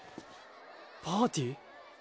パーティー？